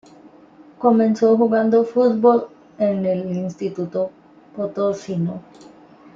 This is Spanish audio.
Comenzó jugando fútbol en el Instituto Potosino.